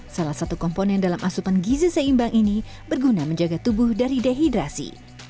salah satu komponen dalam asupan gizi seimbang ini berguna menjaga tubuh dari dehidrasi